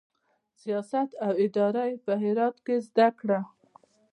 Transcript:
سیاست او اداره یې په هرات کې زده کړه.